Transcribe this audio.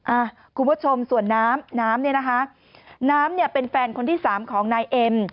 อ่ะคุณผู้ชมส่วนน้ำน้ำเนี่ยนะคะน้ำเนี่ยเป็นแฟนคนที่สามของนายเอ็ม